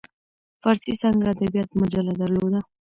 فارسي څانګه ادبیات مجله درلوده.